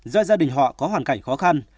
do gia đình họ có hoàn cảnh khó khăn